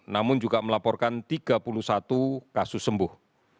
namun juga melaporkan tiga puluh satu kasus sembuh